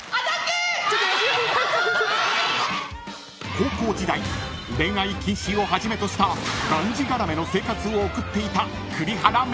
［高校時代恋愛禁止をはじめとしたがんじがらめの生活を送っていた栗原恵］